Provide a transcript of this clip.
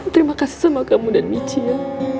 terima kasih sama kamu dan michi ya